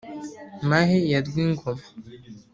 mahe ya rwingoma